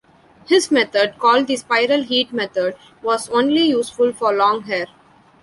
His method, called the spiral heat method, was only useful for long hair.